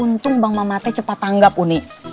untung bang mamatnya cepat tanggap uni